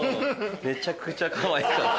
めちゃくちゃかわいかった。